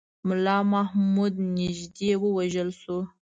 مُلا محمد نیژدې ووژل شو.